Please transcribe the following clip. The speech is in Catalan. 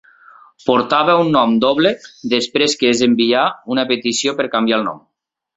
Portava un nom doble després que es enviar una petició per canviar el nom.